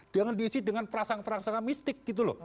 jangan diisi dengan prasangka prasangka mistik